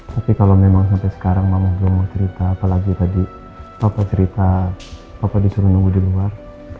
tapi kalau memang sampai sekarang mama belum mau cerita apalagi tadi bapak cerita bapak disuruh nunggu di luar